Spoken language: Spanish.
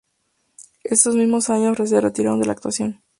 Ese mismo años se retiró de la actuación.